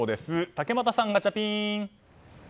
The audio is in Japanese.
竹俣さん、ガチャピン！